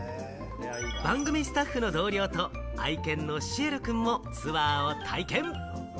番組スタッフの同僚と愛犬のシエルくんもツアーを体験。